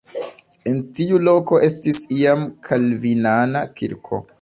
En tiu loko estis iam kalvinana kirko.